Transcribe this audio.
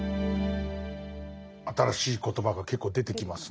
新しい言葉が結構出てきますね。